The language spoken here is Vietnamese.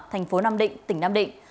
thành phố nam định tỉnh nam định